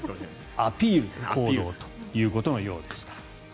アピールの行動ということのようでした。